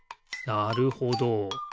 なるほど。